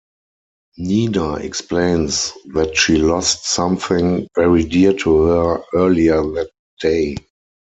Nina explains that she lost something very dear to her earlier that day.